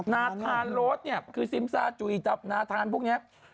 น้าทารโรดเนี่ยซิมซาจุอีตรับน้าทานพวกเนี้ย